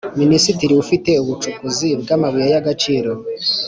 Minisitiri ufite ubucukuzi bw amabuye y agaciro